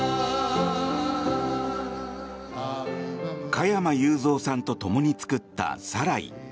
加山雄三さんとともに作った「サライ」。